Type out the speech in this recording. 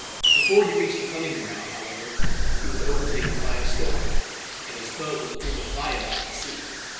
Before he reached his hunting ground, however, he was overtaken by a storm, and his boat was driven by it out to sea.